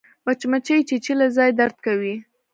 مچمچۍ چیچلی ځای درد کوي